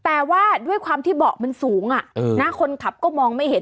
แต่ว่าด้วยความที่เบาะมันสูงคนขับก็มองไม่เห็น